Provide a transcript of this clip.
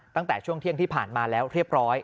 ตั้งแต่ช่วงเที่ยงที่ผ่านมาแล้วเรียบร้อย